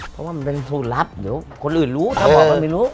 เพราะว่ามันเป็นสูตรลับเดี๋ยวคนอื่นรู้ถ้าบอกมันไม่รู้